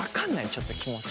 ちょっと気持ち。